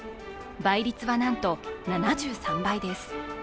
倍率はなんと７３倍です。